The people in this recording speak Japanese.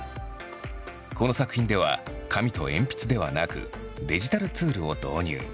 この作品では紙と鉛筆ではなくデジタルツールを導入。